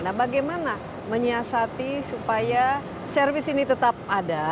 nah bagaimana menyiasati supaya servis ini tetap ada